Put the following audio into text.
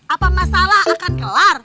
apa masalah akan kelar